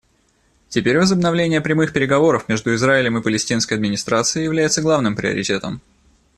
Теперь возобновление прямых переговоров между Израилем и Палестинской администрацией является главным приоритетом.